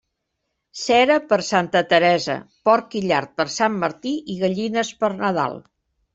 Cera per Santa Teresa, porc i llard per Sant Martí i gallines per Nadal.